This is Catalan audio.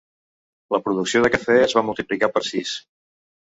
La producció de cafè es va multiplicar per sis.